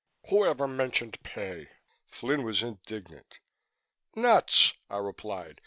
"Who ever mentioned pay?" Flynn was indignant. "Nuts!" I replied.